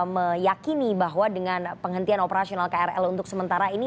meyakini bahwa dengan penghentian operasional krl untuk sementara ini